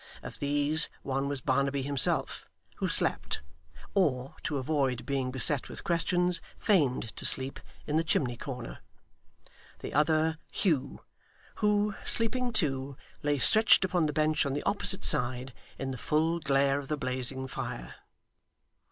Of these, one was Barnaby himself, who slept, or, to avoid being beset with questions, feigned to sleep, in the chimney corner; the other, Hugh, who, sleeping too, lay stretched upon the bench on the opposite side, in the full glare of the blazing fire.